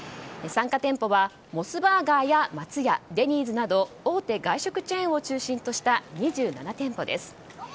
参加店舗はモスバーガーや松屋デニーズなど大手外食チェーンを中心とした２７店舗です。